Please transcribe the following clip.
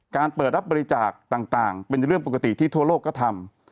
เปิดรับบริจาคต่างเป็นเรื่องปกติที่ทั่วโลกก็ทำ